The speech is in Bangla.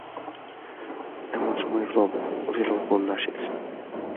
এমন সময়ে রব উঠিল বন্যা আসিতেছে।